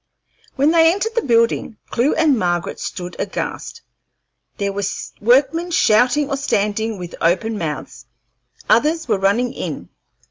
When they entered the building, Clewe and Margaret stood aghast. There were workmen shouting or standing with open mouths; others were running in.